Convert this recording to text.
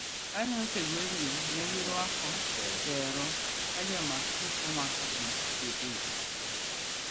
Kane osegwedhgi, negi rwako tere ka jamak tipo makogi gi picha.